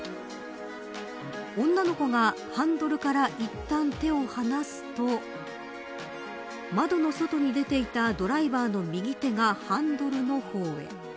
女の子がハンドルからいったん、手を離すと窓の外に出ていたドライバーの右手がハンドルの方へ。